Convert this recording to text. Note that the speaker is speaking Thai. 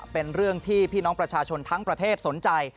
เป็นเรื่องที่พี่น้องประชาชนทั้งประเทศสนใจ